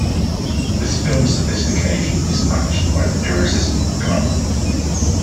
The film's sophistication is matched by an irresistible glamour.